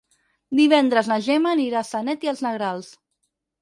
Divendres na Gemma anirà a Sanet i els Negrals.